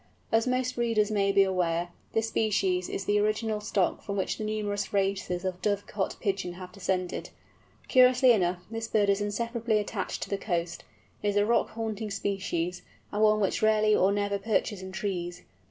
As most readers may be aware, this species is the original stock from which the numerous races of dovecot Pigeon have descended. Curiously enough, this bird is inseparably attached to the coast; it is a rock haunting species, and one which rarely or never perches in trees.